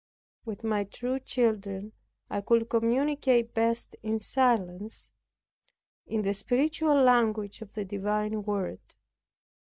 With my true children I could communicate best in silence, in the spiritual language of the divine Word.